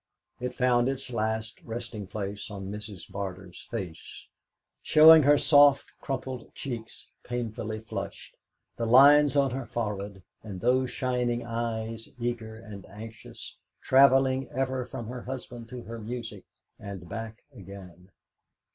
It found its last resting place on Mrs. Barter's face, showing her soft crumpled cheeks painfully flushed, the lines on her forehead, and those shining eyes, eager and anxious, travelling ever from her husband to her music and back again.